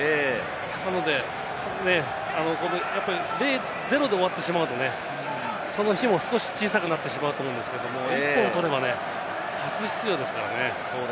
なのでね、ゼロで終わってしまうと、その火も少し小さくなってしまうと思うんですけれども、１本取れば初出場ですからね。